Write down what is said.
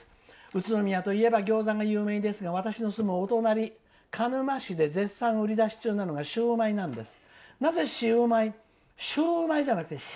宇都宮といえば餃子が有名ですが私の住むお隣、鹿沼市で絶賛売り出し中なのがシウマイなんです。